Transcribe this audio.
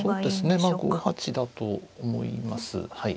まあ５八だと思います。